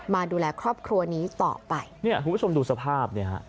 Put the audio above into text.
มาดูแลครอบครัวนี้ต่อไปเนี่ยคุณผู้ชมดูสภาพเนี่ยฮะ